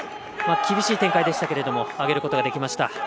厳しい展開でしたけれども挙げることができました。